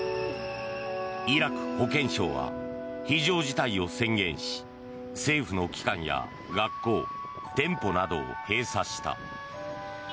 イラク保健省は非常事態を宣言し政府の機関や学校、店舗などを閉鎖した。